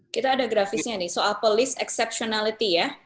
kita ada grafisnya nih soal polis exceptionality ya